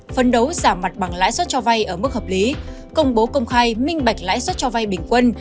phấn đấu giảm mặt bằng lãi suất cho vay ở mức hợp lý công bố công khai minh bạch lãi suất cho vay bình quân